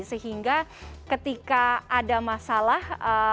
sehingga ketika ada masalah